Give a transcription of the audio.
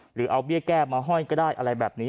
หรือเอาเบี้ยแก้มาห้อยก็ได้อะไรแบบนี้